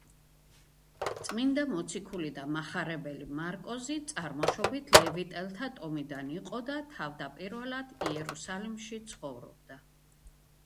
წმინდა მოციქული და მახარებელი მარკოზი წარმოშობით ლევიტელთა ტომიდან იყო და თავდაპირველად იერუსალიმში ცხოვრობდა.